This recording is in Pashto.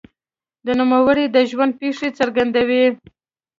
د نوموړي د ژوند پېښې څرګندوي.